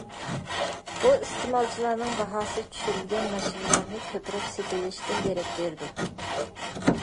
بۇ ئىستېمالچىلارنىڭ باھاسى چۈشۈرۈلگەن ماشىنىلارنى كۆپلەپ سېتىۋېلىشىدىن دېرەك بېرىدۇ.